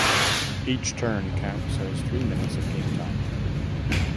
Each turn counts as three minutes of game time.